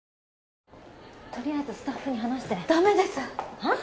とりあえずスタッフに話してダメですはっ？